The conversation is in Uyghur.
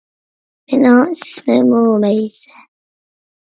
مېنىڭ ئىسمىم رۇمەيسە